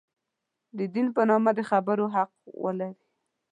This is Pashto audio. د دین په نامه د خبرو حق ولري.